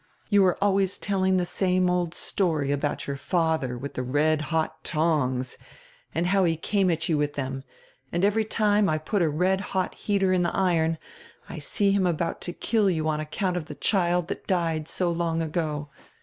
You are always telling the same old story about your fadrer widi die red hot tongs and how he came at you widi diem, and every time I put a red hot heater in die iron I see him about to kill you on account of die child diat died so long ago.